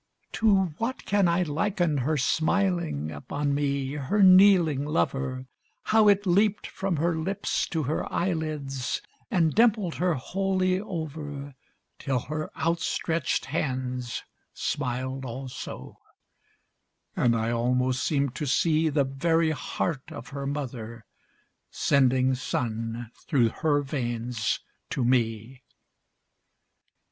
To what can I liken her smiling Upon me, her kneeling lover, How it leaped from her lips to her eyelids, And dimpled her wholly over, Till her outstretched hands smiled also, And I almost seemed to see The very heart of her mother Sending sun through her veins to me!